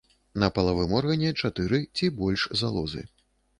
На палавым органе чатыры ці больш залозы.